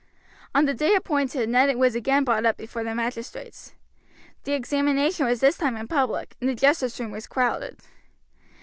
On the day appointed Ned was again brought up before the magistrates. The examination was this time in public, and the justice room was crowded.